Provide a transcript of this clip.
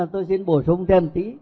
tôi xin bổ sung thêm tí